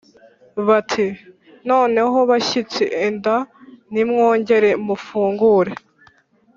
bati: ‘noneho bashyitsi, enda nimwongere mufungure,